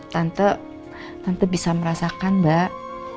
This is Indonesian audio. tante tante bisa merasakan mbak